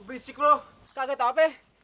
brisik lo kaget apa